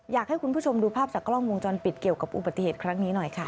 อยากให้คุณผู้ชมดูภาพจากกล้องวงจรปิดเกี่ยวกับอุบัติเหตุครั้งนี้หน่อยค่ะ